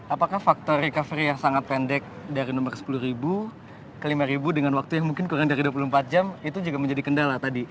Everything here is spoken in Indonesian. apakah faktor recovery yang sangat pendek dari nomor sepuluh ribu ke lima dengan waktu yang mungkin kurang dari dua puluh empat jam itu juga menjadi kendala tadi